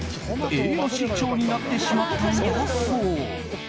栄養失調になってしまったんだそう。